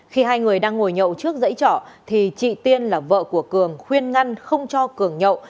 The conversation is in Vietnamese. khi hai người đang ngồi nhậu trước dãy trọ thì chị tiên là vợ của cường khuyên ngăn không cho cường nhậu